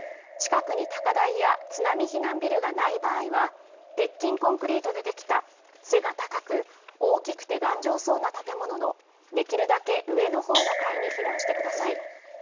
近くに高台や津波避難ビルがない場合は、鉄筋コンクリートでできた背が高く、大きくて頑丈そうな建物のできるだけ上の方の階に避難してください。